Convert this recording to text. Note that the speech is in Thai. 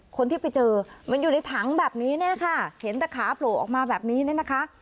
คนที่ไปเจอมันอยู่ในถังแบบนี้เนี่ยค่ะเห็นแต่ขาโผล่ออกมาแบบนี้เนี่ยนะคะ